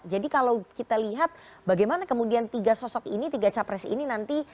jadi kalau kita lihat bagaimana kemudian tiga sosok ini tiga capres ini nanti